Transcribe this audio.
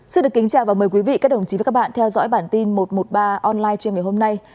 xin được kính chào và mời quý vị các đồng chí và các bạn theo dõi bản tin một trăm một mươi ba online trên ngày hôm nay